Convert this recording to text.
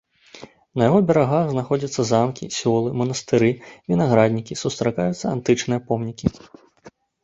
На яго берагах знаходзяцца замкі, сёлы, манастыры, вінаграднікі, сустракаюцца антычныя помнікі.